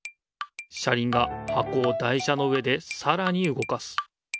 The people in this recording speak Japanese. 車りんがはこを台車の上でさらにうごかす。